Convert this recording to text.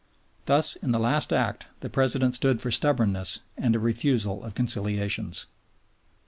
Thus in the last act the President stood for stubbornness and a refusal of conciliations.